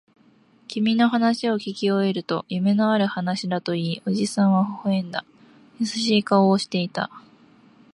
君の話をきき終えると、夢のある話だと言い、おじさんは微笑んだ。優しい顔をしていた。